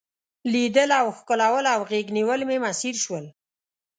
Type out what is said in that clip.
لیدل او ښکلول او غیږ نیول مې میسر شول.